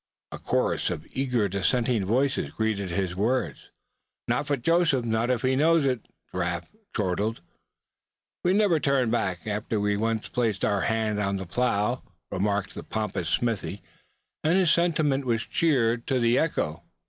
A chorus of eager dissenting voices greeted his words. "Not for Joseph, not if he knows it!" Giraffe chortled. "We never turn back, after once we've placed our hand to the plow," remarked the pompous Smithy; and his sentiment was cheered to the echo.